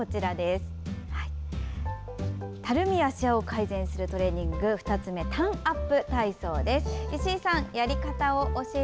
たるみやシワを改善するトレーニング２つ目舌アップ体操です。